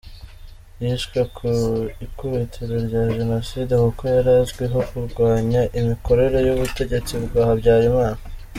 Yishwe ku ikubitiro rya Jenoside kuko yari azwiho kurwanya imikorere y’ubutegetsi bwa Habyarimana.